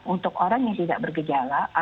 untuk orang yang tidak bergejala